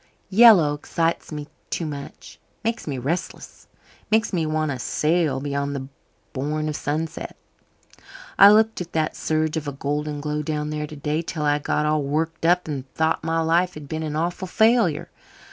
"Yellow excites me too much makes me restless makes me want to sail 'beyond the bourne of sunset'. I looked at that surge of golden glow down there today till I got all worked up and thought my life had been an awful failure.